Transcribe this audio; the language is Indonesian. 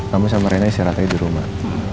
kamu sama rena istirahatkan hidup di rumah